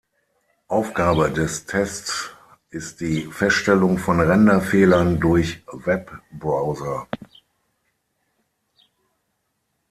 Aufgabe des Tests ist die Feststellung von Render-Fehlern durch Webbrowser.